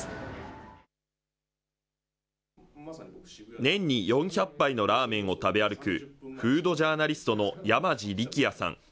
年に４００杯のラーメンを食べ歩く、フードジャーナリストの山路力也さん。